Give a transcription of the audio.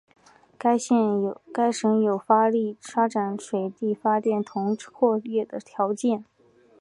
该省有发展水力发电和铜矿业的条件。